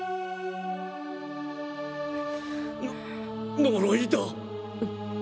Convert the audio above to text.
の呪いだ。